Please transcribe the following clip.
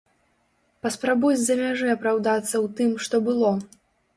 Паспрабуй з-за мяжы апраўдацца ў тым, што было!